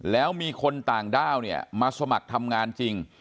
แล้วมีคนต่างด้าวเนี่ยมาสมัครทำงานจริง